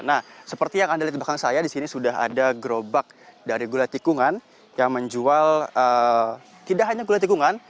nah seperti yang anda lihat di belakang saya di sini sudah ada gerobak dari gulai tikungan yang menjual tidak hanya gulai tikungan